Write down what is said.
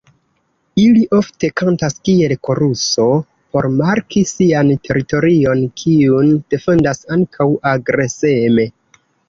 Ili ofte kantas kiel koruso por marki sian teritorion, kiun defendas ankaŭ agreseme.